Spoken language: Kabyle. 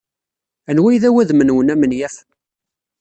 Anwa ay d awadem-nwen amenyaf?